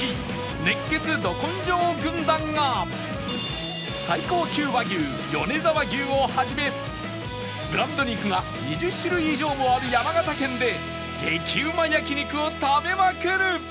熱血ド根性軍団が最高級和牛米沢牛を始めブランド肉が２０種類以上もある山形県で激うま焼肉を食べまくる！